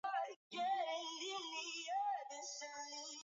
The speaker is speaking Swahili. ti pekee ambapo irani iliacha kuendeleza mpango wake wa nuclear